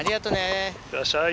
いってらっしゃい。